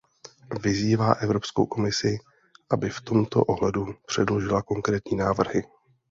Vyzývá Evropskou komisi, aby v tomto ohledu předložila konkrétní návrhy.